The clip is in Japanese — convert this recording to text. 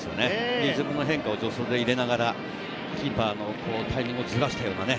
リズムの変化を助走で入れながら、キーパーのタイミングをずらしたようなね。